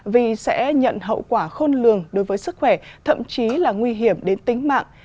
vì sẽ nhận hậu quả khôn lường đối với sức khỏe thậm chí là nguy hiểm đến tính mạng